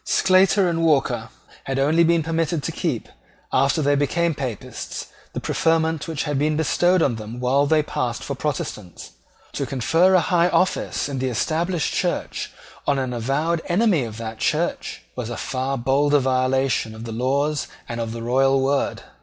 Sclater and Walker had only been permitted to keep, after they became Papists, the preferment which had been bestowed on them while they passed for Protestants. To confer a high office in the Established Church on an avowed enemy of that Church was a far bolder violation of the laws and of the royal word.